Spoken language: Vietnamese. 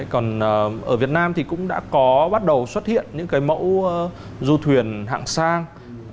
còn ở việt nam thì cũng đã có bắt đầu xuất hiện những cái mẫu du thuyền hạng sang